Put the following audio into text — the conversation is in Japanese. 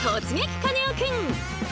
カネオくん」。